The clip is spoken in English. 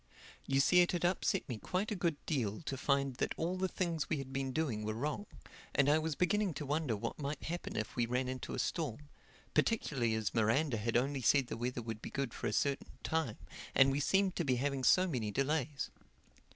You see it had upset me quite a good deal to find that all the things we had been doing were wrong; and I was beginning to wonder what might happen if we ran into a storm—particularly as Miranda had only said the weather would be good for a certain time; and we seemed to be having so many delays.